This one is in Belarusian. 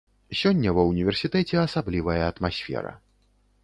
Сёння ва ўніверсітэце асаблівая атмасфера.